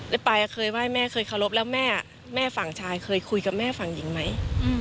ไปเคยไหว้แม่เคยเคารพแล้วแม่แม่ฝั่งชายเคยคุยกับแม่ฝั่งหญิงไหม